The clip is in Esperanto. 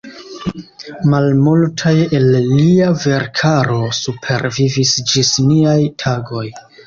Malmultaj el lia verkaro supervivis ĝis niaj tagoj.